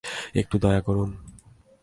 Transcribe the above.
একটু দয়া করুন!